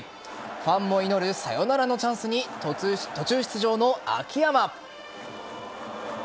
ファンも祈るサヨナラのチャンスに途中出場の秋山。